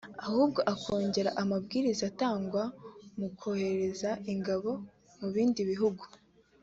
ahubwo akongera amabwiriza atangwa mu kohereza ingabo mu bindi bihugu